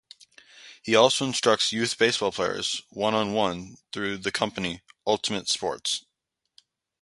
He also instructs youth baseball players one-on-one through the company "Ultimate Sports".